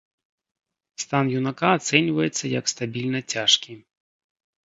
Стан юнака ацэньваецца як стабільна цяжкі.